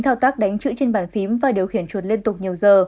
thao tác đánh chữ trên bàn phím và điều khiển chuột liên tục nhiều giờ